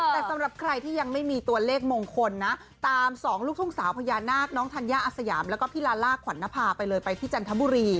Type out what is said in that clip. แต่สำหรับใครที่ยังไม่มีตัวเลขมงคลนะตามสองลูกทุ่งสาวพญานาคน้องธัญญาอาสยามแล้วก็พี่ลาล่าขวัญนภาไปเลยไปที่จันทบุรี